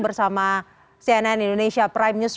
bersama cnn indonesia prime news